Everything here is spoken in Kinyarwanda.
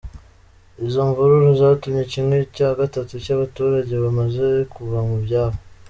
Izo mvururu zatumye kimwe cya gatatu cy’abaturage bamaze kuva mu byabo.